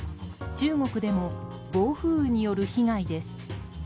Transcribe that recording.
中国でも暴風雨による被害です。